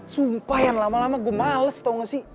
sumpah yang lama lama gue males tau gak sih